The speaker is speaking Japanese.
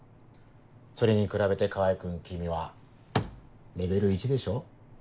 それに比べて川合君君はレベル１でしょ？